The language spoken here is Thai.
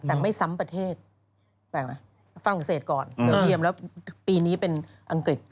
ในประเทศฝรั่งเศสก่อนเดี๋ยวเทียมแล้วปีนี้เป็นอังกฤษ